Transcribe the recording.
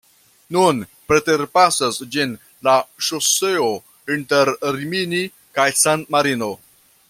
Nun preterpasas ĝin la ŝoseo inter Rimini kaj San-Marino.